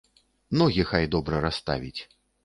Ногі хай добра расставіць.